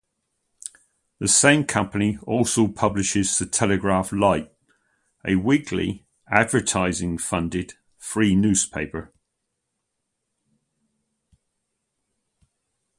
The same company also publishes the "Telegraph Lite" - a weekly advertising-funded free newspaper.